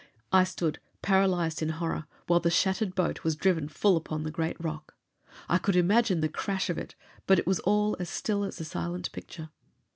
I stood, paralyzed in horror, while the shattered boat was driven full upon the great rock. I could imagine the crash of it, but it was all as still as a silent picture.